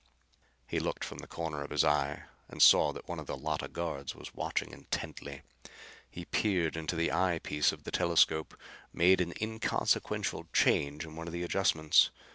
He looked from the corner of his eye and saw that one of the Llotta guards was watching intently. He peered into the eye piece of the telescope; made an inconsequential change in one of the adjustments.